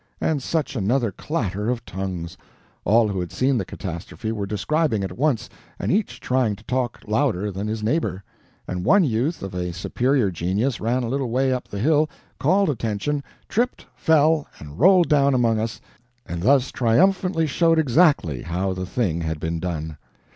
And such another clatter of tongues! All who had seen the catastrophe were describing it at once, and each trying to talk louder than his neighbor; and one youth of a superior genius ran a little way up the hill, called attention, tripped, fell, rolled down among us, and thus triumphantly showed exactly how the thing had been done.